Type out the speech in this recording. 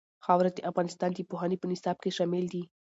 خاوره د افغانستان د پوهنې په نصاب کې شامل دي.